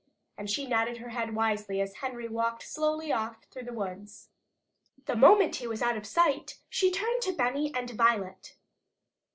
And she nodded her head wisely as Henry walked slowly off through the woods. The moment he was out of sight she turned to Benny and Violet.